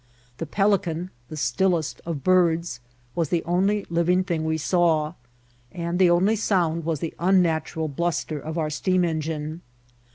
The pel ioan, the stillest of birds, was the only living thing we saw, and the only sound was the unnatural bluster of our steam engine.